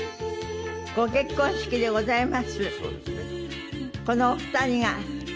ご結婚式でございます。